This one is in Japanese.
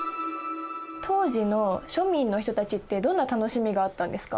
当時の庶民の人たちってどんな楽しみがあったんですか？